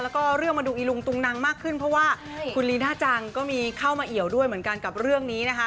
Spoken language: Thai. แล้วก็เรื่องมาดูอีลุงตุงนังมากขึ้นเพราะว่าคุณลีน่าจังก็มีเข้ามาเอี่ยวด้วยเหมือนกันกับเรื่องนี้นะคะ